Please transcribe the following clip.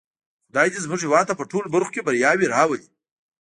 خدای دې زموږ هېواد ته په ټولو برخو کې بریاوې راولی.